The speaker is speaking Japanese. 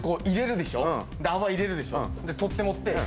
こうやって入れるでしょ？